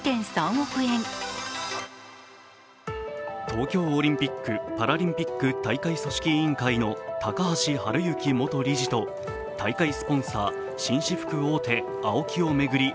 東京オリンピック・パラリンピック大会組織委員会の高橋治之元理事と、大会スポンサー紳士服大手ＡＯＫＩを巡り